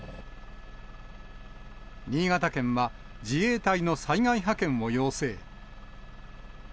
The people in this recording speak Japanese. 新潟県は自衛隊の災害派遣を要請。